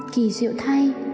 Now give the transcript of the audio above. kỳ diệu thay